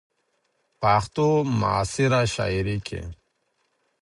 ،پښتو معاصره شاعرۍ کې